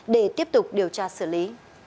để tiếp tục điều tra xử lý